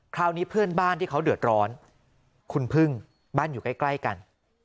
คราวนี้เพื่อนบ้านที่เขาเดือดร้อนคุณพึ่งบ้านอยู่ใกล้กัน